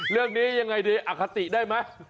เรื่องนี้ยังไงดีอคติได้ไหม